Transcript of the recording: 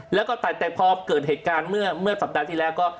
แล้วก็แต่พอเกิดเหตุการณ์เมื่อสัปดาห์ที่แล้วก็